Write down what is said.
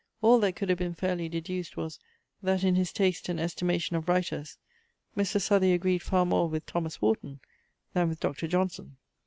All that could have been fairly deduced was, that in his taste and estimation of writers Mr. Southey agreed far more with Thomas Warton, than with Dr. Johnson.